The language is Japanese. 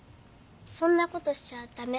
そんなことしちゃだめ。